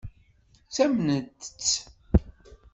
Ttamnent-tt.